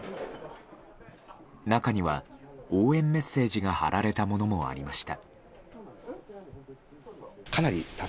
中には応援メッセージが貼られたものもありました。